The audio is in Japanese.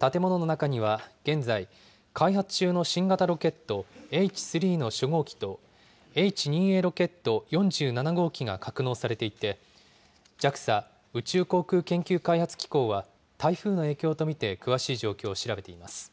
建物の中には現在、開発中の新型ロケットＨ３の初号機と、Ｈ２Ａロケット４７号機が格納されていて、ＪＡＸＡ・宇宙航空研究開発機構は、台風の影響と見て詳しい状況を調べています。